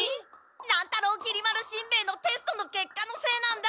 乱太郎きり丸しんべヱのテストの結果のせいなんだ。